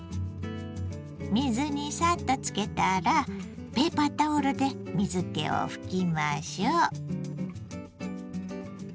水にサッとつけたらペーパータオルで水けを拭きましょう。